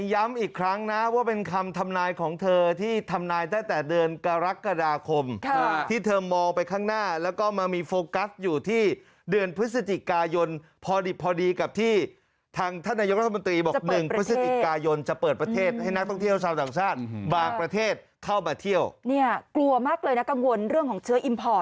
ย้ำอีกครั้งนะว่าเป็นคำทำนายของเธอที่ทำนายตั้งแต่เดือนกรกฎาคมที่เธอมองไปข้างหน้าแล้วก็มามีโฟกัสอยู่ที่เดือนพฤศจิกายนพอดิบพอดีกับที่ทางท่านนายกรัฐมนตรีบอกหนึ่งพฤศจิกายนจะเปิดประเทศให้นักท่องเที่ยวชาวต่างชาติบางประเทศเข้ามาเที่ยวเนี่ยกลัวมากเลยนะกังวลเรื่องของเชื้ออิมพอร์ต